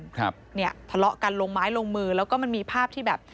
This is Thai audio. ครับเนี่ยทะเลาะกันลงไม้ลงมือแล้วก็มันมีภาพที่แบบ